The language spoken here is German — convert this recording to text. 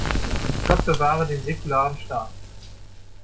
Gott bewahre den säkularen Staat!